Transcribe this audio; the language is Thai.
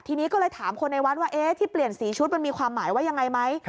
ทีนี้ก็เลยถามคนในวัดว่าที่เปลี่ยนสีชุดมันมีความหมายว่ายังไงไหม